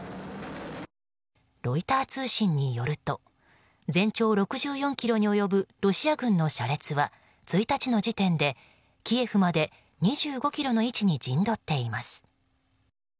ロイター通信によると全長６４ｋｍに及ぶロシア軍の車列は１日の時点でキエフまで２５ｋｍの位置に陣取っています。